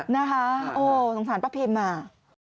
นะคะโอ้โฮสงสารป้าเพมมา